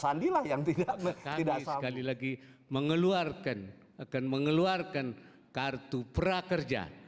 sekali lagi mengeluarkan akan mengeluarkan kartu prakerja